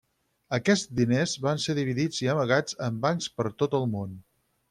Aquests diners van ser dividits i amagats en bancs per tot el món.